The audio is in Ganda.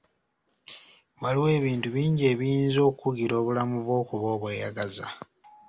Waliwo ebintu bingi ebiyinza okukugira obulamu bwo okuba obweyagaza.